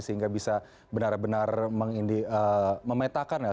sehingga bisa benar benar memetakan sekolah sekolah